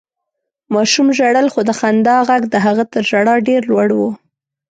ماشوم ژړل، خو د خندا غږ د هغه تر ژړا ډېر لوړ و.